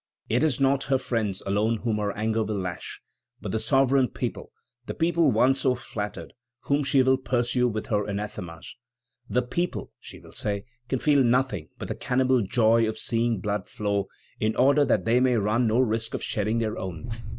It is not her friends alone whom her anger will lash, but the sovereign people, the people once so flattered, whom she will pursue with her anathemas. "The people," she will say, "can feel nothing but the cannibal joy of seeing blood flow, in order that they may run no risk of shedding their own.